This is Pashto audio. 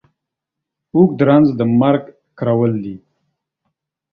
اوږ د رنځ د مرگ کرول دي.